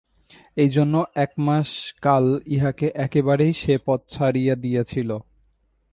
এইজন্য এক মাস কাল ইহাকে একেবারেই সে পথ ছড়িয়া দিয়াছিল।